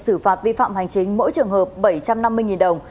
xử phạt vi phạm hành chính mỗi trường hợp bảy trăm năm mươi đồng